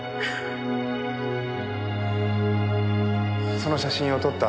その写真を撮った